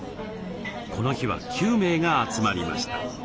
この日は９名が集まりました。